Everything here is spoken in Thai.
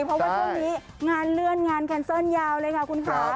เพราะว่าช่วงนี้งานเลื่อนงานแคนเซิลยาวเลยค่ะคุณค่ะ